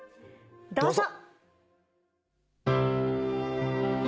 どうぞ。